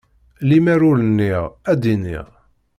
Lemmer ur nniɣ, ad d-iniɣ.